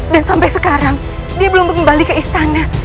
dan sampai sekarang dia belum kembali ke istana